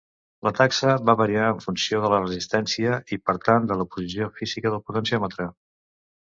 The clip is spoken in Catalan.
La taxa va variar en funció de la resistència i, per tant, de la posició física del potenciòmetre.